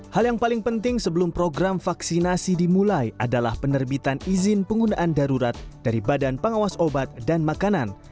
hal yang paling penting sebelum program vaksinasi dimulai adalah penerbitan izin penggunaan darurat dari badan pengawas obat dan makanan